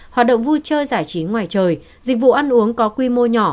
hoạt động vui chơi giải trí ngoài trời dịch vụ ăn uống có quy mô nhỏ